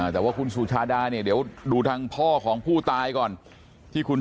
แต่ว่าคุณสุชาดาเนี่ยเดี๋ยวดูทางพ่อของผู้ตายก่อนที่คุณ